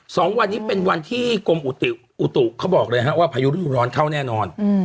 สองวันนี้เป็นวันที่กรมอุตุอุตุเขาบอกเลยฮะว่าพายุฤดูร้อนเข้าแน่นอน